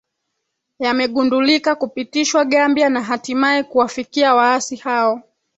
yamegundulika kupitishwa gambia na hatimaye kuwafikia waasi hao